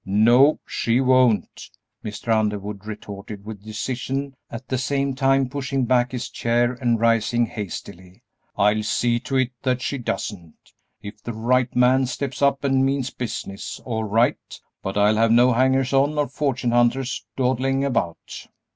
"No, she won't," Mr. Underwood retorted, with decision, at the same time pushing back his chair and rising hastily; "I'll see to it that she doesn't. If the right man steps up and means business, all right; but I'll have no hangers on or fortune hunters dawdling about!"